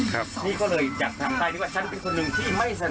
ครับหรือก็เลยอยากถามใต้ว่าฉันเป็นคนหนึ่งที่ไม่สนับสนุนให้